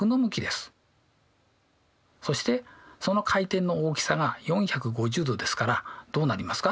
そしてその回転の大きさが４５０°ですからどうなりますか？